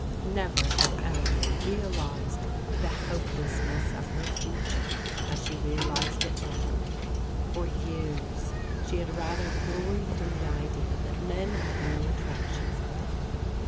Never had Eleanor realized the helplessness of her future as she realized it now. For years she had rather gloried in the idea that men had no attraction for her.